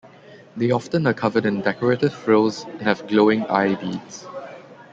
They often are covered in decorative frills, and have glowing eye-beads.